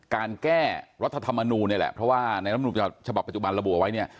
การแก้รัฐธรรมนูญนี่แหละแนวรัฐธรรมนูญชาวปัจจุบันระบวะไว้เนี่ย